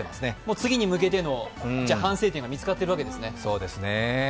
次に向けての反省点が見つかっているわけですね。